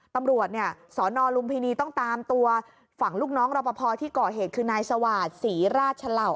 ตำรวจเนี่ยสนลุมพินีต้องตามตัวฝั่งลูกน้องรอปภที่ก่อเหตุคือนายสวาสศรีราชเหล่า